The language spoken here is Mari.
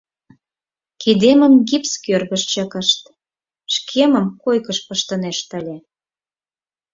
Кидемым гипс кӧргыш чыкышт, шкемым койкыш пыштынешт ыле.